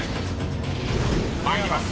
［参ります。